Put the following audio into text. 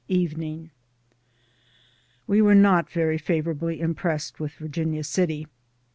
Evening. — We were not very favorably impressed with Virginia City.